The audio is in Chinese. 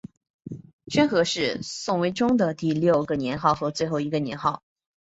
宣和是宋徽宗的第六个年号和最后一个年号。